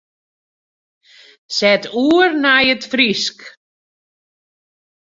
Set oer nei it Frysk.